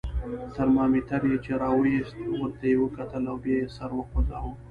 ترمامیتر یې چې را وایست، ورته یې وکتل او بیا یې سر وخوځاوه.